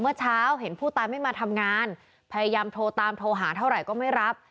เมื่อเช้าเห็นผู้ตายไม่มาทำงานพยายามโทรตามโทรหาเท่าไหร่ก็ไม่รับ